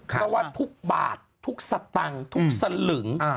เพราะว่าทุกบาททุกสตางค์ทุกสลึง